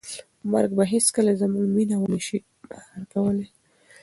مرګ به هیڅکله زموږ مینه ونه شي مهار کولی.